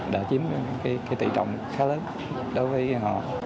đã chiếm tỷ trọng khá lớn đối với họ